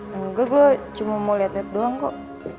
enggak gue cuma mau liat liat doang kok